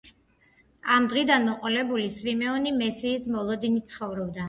ამ დღიდან მოყოლებული, სვიმეონი მესიის მოლოდინით ცხოვრობდა.